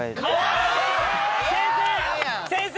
先生！